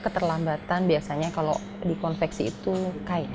keterlambatan biasanya kalau di konveksi itu kayak